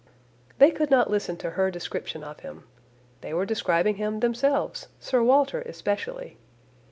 They could not listen to her description of him. They were describing him themselves; Sir Walter especially.